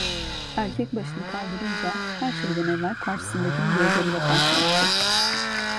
Erkek başını kaldırınca her şeyden evvel karşısındakinin gözleriyle karşılaştı.